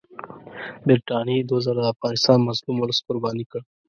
برټانیې دوه ځله د افغانستان مظلوم اولس قرباني کړ.